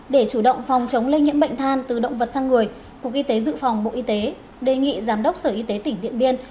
để chủ động phòng chống lây nhiễm bệnh than từ động vật sang người cục y tế dự phòng bộ y tế đề nghị giám đốc sở y tế tỉnh điện biên